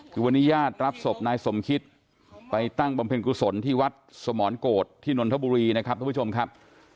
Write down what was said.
คือวันนี้ญาติรับศพนายสมคิตไปตั้งบำเพ็ญกุศลที่วัดสมรโกรธที่นนทบุรีนะครับทุกผู้ชมครับ